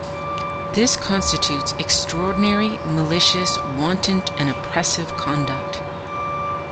This constitutes 'extraordinary, malicious, wanton, and oppressive conduct.